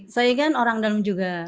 saya kan orang dalam juga